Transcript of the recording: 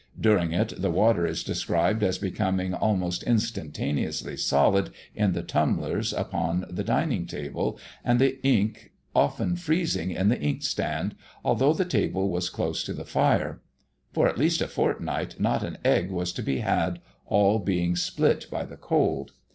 During it, the water is described as becoming almost instantaneously solid in the tumblers upon the dining table, and the ink often freezing in the ink stand, although the table was close to the fire. For at least a fortnight, not an egg was to be had, all being split by the cold.